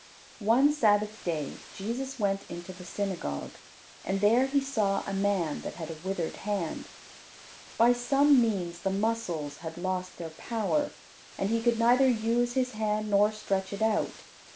One Sabbath day Jesus went into the synagogue, and there He saw a man that had a withered hand. By some means the muscles had lost their power, and he could neither use his hand nor stretch it out.